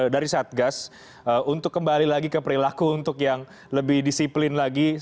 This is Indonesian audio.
dari satgas untuk kembali lagi ke perilaku untuk yang lebih disiplin lagi